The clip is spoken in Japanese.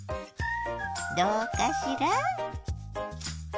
どうかしら？